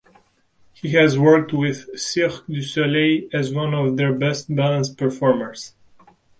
He has worked with Cirque du Soleil as one of their best balance performers.